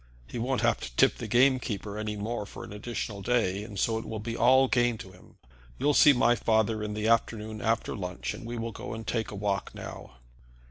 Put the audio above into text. He won't have to tip the game keeper any more for an additional day, and so it will be all gain to him. You'll see my father in the afternoon after lunch, and we will go and take a walk now."